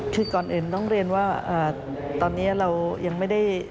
คือก่อนอื่นต้องเรียนว่าตอนนี้เรายังไม่ได้